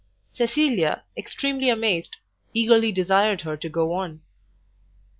Cecilia, extremely amazed, eagerly desired her to go on.